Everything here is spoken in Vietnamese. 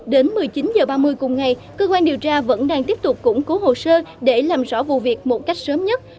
đến một mươi chín h ba mươi cùng ngày cơ quan điều tra vẫn đang tiếp tục củng cố hồ sơ để làm rõ vụ việc một cách sớm nhất